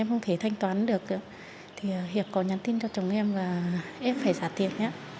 em không thể thanh toán được thì hiệp có nhắn tin cho chồng em và em phải giả tiền